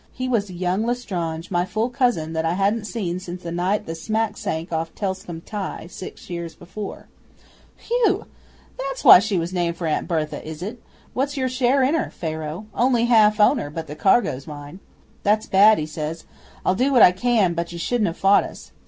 He was young L'Estrange, my full cousin, that I hadn't seen since the night the smack sank off Telscombe Tye six years before. '"Whew!" he says. "That's why she was named for Aunt Berthe, is it? What's your share in her, Pharaoh?" '"Only half owner, but the cargo's mine." '"That's bad," he says. "I'll do what I can, but you shouldn't have fought us."